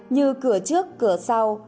như cửa trước cửa sau